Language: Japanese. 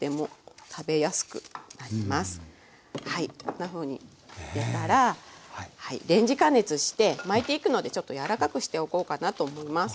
こんなふうに入れたらレンジ加熱して巻いていくのでちょっと柔らかくしておこうかなと思います。